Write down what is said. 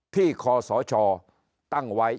ที่คสชตั้งไว้